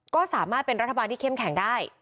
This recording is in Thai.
ก็สามารถเป็นรัฐบาลที่เข้มแข็งได้